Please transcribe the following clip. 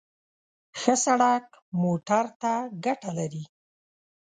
ښه سړک موټر ته ګټه لري.